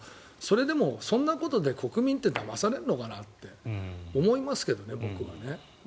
でも、そんなことで国民ってだまされるのかなって思いますけどね、僕は。